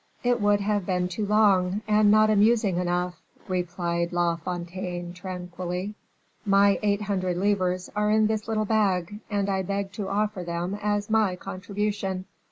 "It would have been too long, and not amusing enough," replied La Fontaine tranquilly; "my eight hundred livres are in this little bag, and I beg to offer them as my contribution."